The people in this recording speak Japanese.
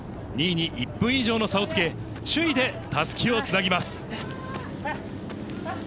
２位に１分以上の差をつけ、首位でたすきをつなぎます。